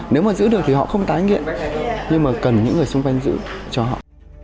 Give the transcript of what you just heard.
nếu mà giữ được thì họ không tái nghiện nhưng mà cần những người xung quanh giữ cho họ